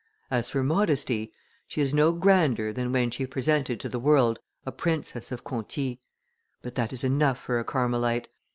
As for modesty, she is no grander than when she presented to the world a princess of Conti, but that is enough for a Carmelite.